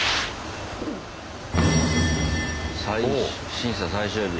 審査最終日。